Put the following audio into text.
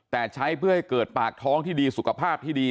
แต่ใช้เพื่อให้เกิดปากท้องที่ดีสุขภาพที่ดี